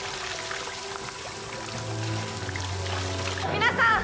皆さん